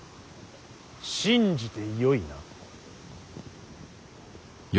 信じてよいな。